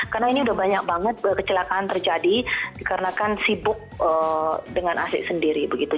karena ini sudah banyak banget kecelakaan terjadi karena kan sibuk dengan asik sendiri begitu